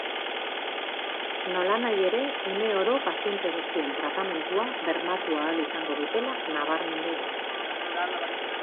Nolanahi ere, uneoro paziente guztien tratamendua bermatu ahal izango dutela nabarmendu du.